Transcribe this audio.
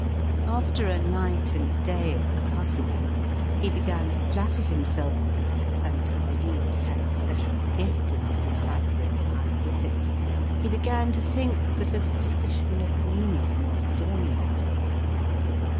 After a night and day of puzzling, he began to flatter himself — and he believed he had a special gift in the deciphering JIM CONRAD'S FIND 9 of hieroglyphics— he began to think that a suspicion of meaning was dawning on him.